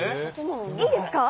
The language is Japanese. いいですか？